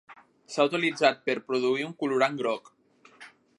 S"ha utilitzat per produir un colorant groc.